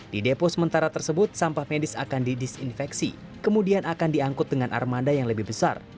di depo sementara tersebut sampah medis akan didisinfeksi kemudian akan diangkut dengan armada yang lebih besar